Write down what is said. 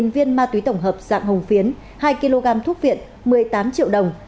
một mươi viên ma túy tổng hợp dạng hồng phiến hai kg thuốc viện một mươi tám triệu đồng